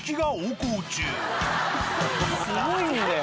すごいんだよ。